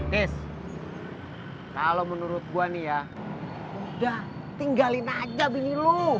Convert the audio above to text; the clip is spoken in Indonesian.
des kalau menurut gua nih ya udah tinggalin aja begini lo